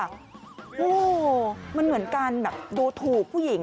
โอ้โหมันเหมือนการแบบดูถูกผู้หญิง